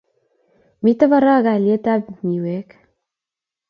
Mito barak alyet ab Miwek